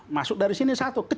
masuk dari sini satu